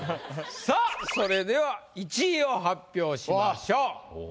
さぁそれでは１位を発表しましょう。